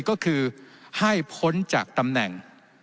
ก็คือให้พ้นจากตำแหน่ง